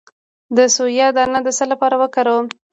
د سویا دانه د څه لپاره وکاروم؟